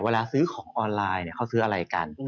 เวลาซื้อของออนไลน์เขาซื้ออะไรกัน